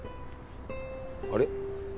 あれ？